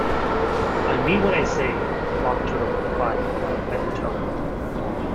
‘I mean what I say,’ the Mock Turtle replied in an offended tone.